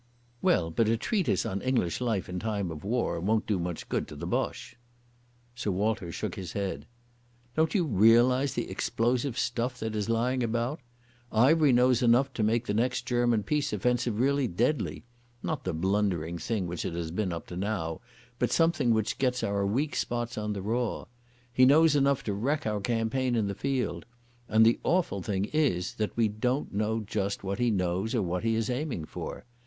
"Well, but a treatise on English life in time of war won't do much good to the Boche." Sir Walter shook his head. "Don't you realise the explosive stuff that is lying about? Ivery knows enough to make the next German peace offensive really deadly—not the blundering thing which it has been up to now, but something which gets our weak spots on the raw. He knows enough to wreck our campaign in the field. And the awful thing is that we don't know just what he knows or what he is aiming for.